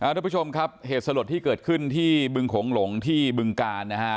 ทุกผู้ชมครับเหตุสลดที่เกิดขึ้นที่บึงโขงหลงที่บึงกาลนะฮะ